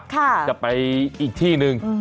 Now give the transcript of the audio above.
จะไปอีกที่หนึ่ง